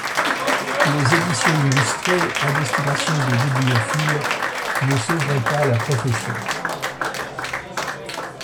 Les éditions illustrées à destination des bibliophiles ne sauveront pas la profession.